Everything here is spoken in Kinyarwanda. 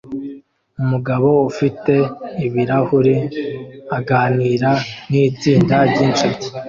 Umugabo ufite ibirahure aganira nitsinda ryinshuti